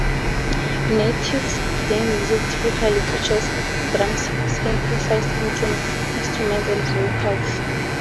Native Deen's music typically features drums, synthesized instruments, and vocals.